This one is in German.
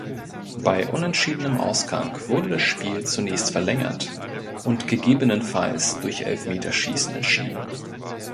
Bei unentschiedenem Ausgang wurde das Spiel zunächst verlängert und gegebenenfalls durch Elfmeterschießen entschieden.